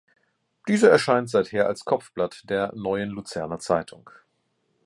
Diese erscheint seither als Kopfblatt der "Neuen Luzerner Zeitung".